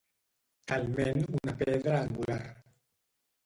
Talment una pedra angular.